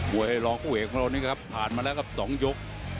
มวยเรือกูเหกคราวนี้ครับผ่านมาแล้วกับสองยก